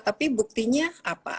tapi buktinya apa